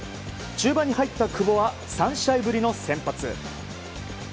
中盤に入った久保は３試合ぶりの先発。